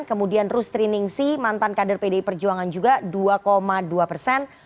kemudian rustri ningsi mantan kader pdi perjuangan juga dua dua persen